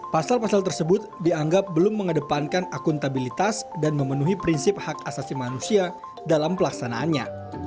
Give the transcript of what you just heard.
pasal pasal tersebut dianggap belum mengedepankan akuntabilitas dan memenuhi prinsip hak asasi manusia dalam pelaksanaannya